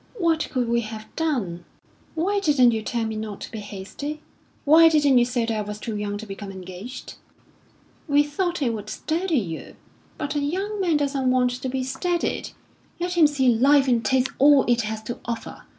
"What could we have done?" "Why didn't you tell me not to be hasty? Why didn't you say that I was too young to become engaged?" "We thought it would steady you." "But a young man doesn't want to be steadied. Let him see life and taste all it has to offer.